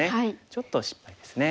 ちょっと失敗ですね。